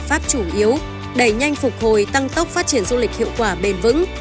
giải pháp chủ yếu đẩy nhanh phục hồi tăng tốc phát triển du lịch hiệu quả bền vững